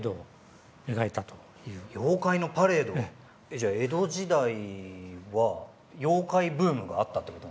じゃあ江戸時代は妖怪ブームがあったってことですか？